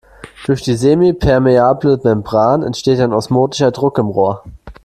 Durch die semipermeable Membran entsteht ein osmotischer Druck im Rohr.